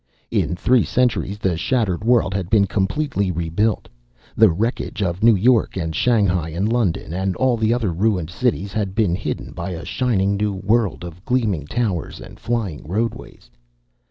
In three centuries the shattered world had been completely rebuilt. The wreckage of New York and Shanghai and London and all the other ruined cities had been hidden by a shining new world of gleaming towers and flying roadways.